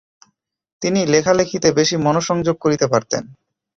তিনি লেখালেখিতে বেশি মনঃসংযোগ করতে পারতেন।